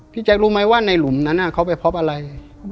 แจ๊ครู้ไหมว่าในหลุมนั้นเขาไปพบอะไร